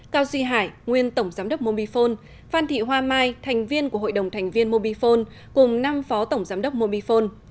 cao duy hải nguyên tổng giám đốc mobifone phan thị hoa mai thành viên của hội đồng thành viên mobifone cùng năm phó tổng giám đốc mobifone